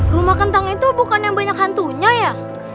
rumah kentang itu bukan yang banyak hantunya ya